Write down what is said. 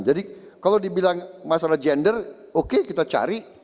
jadi kalau dibilang masalah gender oke kita cari